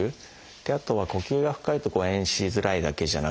あとは呼吸が深いと誤えんしづらいだけじゃなくて